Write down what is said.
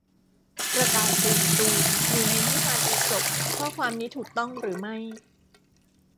กระต่ายตื่นตูม อยู่ในนิทานอีสป ข้อความนี้ถูกต้องหรือไม่